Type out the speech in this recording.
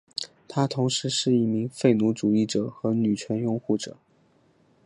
他同时是一名废奴主义者和女权拥护者。